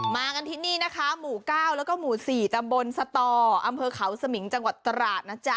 มากันที่นี่นะคะหมู่๙แล้วก็หมู่๔ตำบลสตออำเภอเขาสมิงจังหวัดตราดนะจ๊ะ